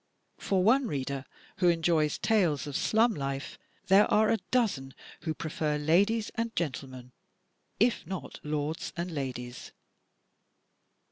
For one reader who enjoys tales of slum life there are a dozen who prefer ladies and gentlemen, if not lords and ladies.